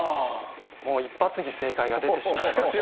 もう一発に正解が出てしまいました。